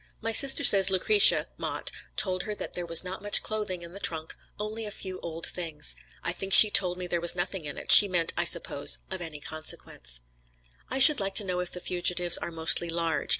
"My sister says Lucretia (Mott) told her that there was not much clothing in the trunk, only a few old things. I think she told me there was nothing in it, she meant, I suppose, of any consequence. "I should like to know if the fugitives are mostly large.